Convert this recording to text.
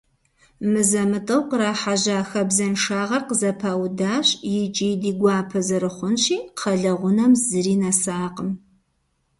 Мызэ-мытӀэу кърахьэжьа хабзэншагъэр къызэпаудащ, икӀи, ди гуапэ зэрыхъунщи, кхъэлъэгъунэм зыри нэсакъым.